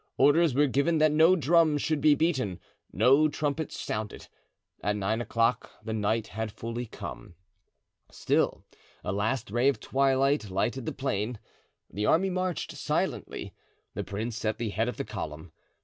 Orders were given that no drum should be beaten, no trumpet sounded. At nine o'clock the night had fully come. Still a last ray of twilight lighted the plain. The army marched silently, the prince at the head of the column.